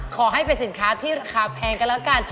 ขอให้เป็นสินค้าที่ราคาแพงกันแล้วกัน